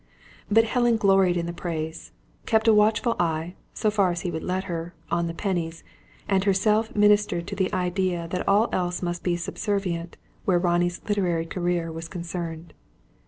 But Helen gloried in the praise, kept a watchful eye, so far as he would let her, on the pennies; and herself ministered to the idea that all else must be subservient, where Ronnie's literary career was concerned.